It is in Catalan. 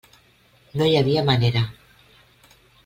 No hi havia manera.